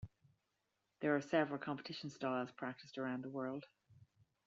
There are several competition styles practised around the world.